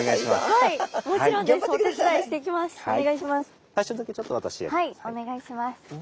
はいお願いします。